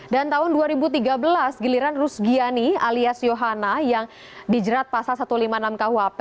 dan tahun dua ribu tiga belas giliran rus giani alias yohana yang dijerat pasal satu ratus lima puluh enam khwp